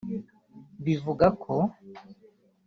Bivuga ko